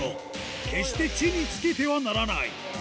決して、地につけてはならない。